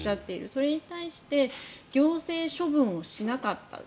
それに対して行政処分をしなかった。